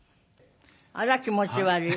あら気持ち悪い。